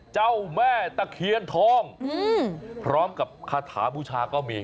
เจ้าแม่ตะเคียนทองพร้อมกับคาถาบูชาก็มี